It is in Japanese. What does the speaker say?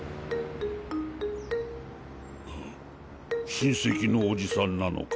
親戚のおじさんなのか。